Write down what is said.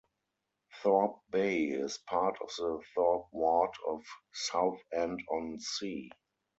Thorpe Bay is part of the Thorpe Ward of Southend-on-Sea.